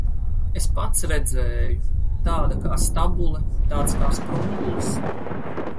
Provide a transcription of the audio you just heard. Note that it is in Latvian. Es pats redzēju. Tāda kā stabule, tāds kā sprungulis.